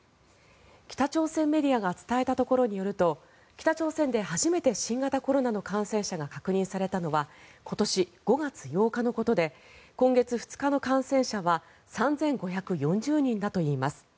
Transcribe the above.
北朝鮮メディアが伝えたところによると北朝鮮で初めて新型コロナの感染者が確認されたのは今年５月８日のことで今月２日の感染者は３５４０人だといいます。